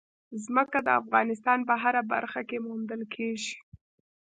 ځمکه د افغانستان په هره برخه کې موندل کېږي.